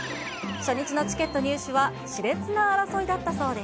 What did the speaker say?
初日のチケット入手は、しれつな争いだったそうで。